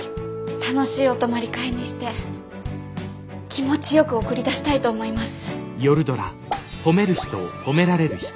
楽しいお泊まり会にして気持ちよく送り出したいと思います。